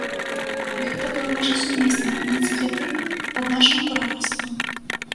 І гэта была нашая сумесная ініцыятыва, пад нашым куратарствам.